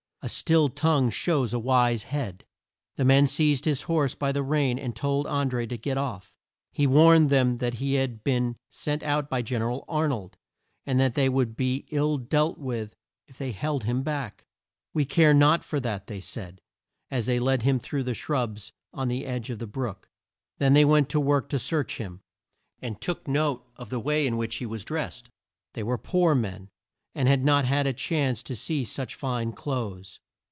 "A still tongue shows a wise head." The men seized his horse by the rein and told An dré to get off. He warned them that he had been sent out by Gen er al Ar nold and that they would be ill dealt with if they held him back. "We care not for that," they said, as they led him through the shrubs on the edge of the brook. They then went to work to search him, and took note of the way in which he was drest. They were poor men, and had not had a chance to see such fine clothes.